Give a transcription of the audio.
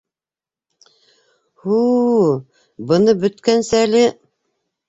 Һу-у... быны бөткәнсе әле...